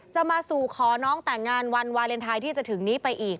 จะมาสู่ขอน้องแต่งงานวันวาเลนไทยที่จะถึงนี้ไปอีก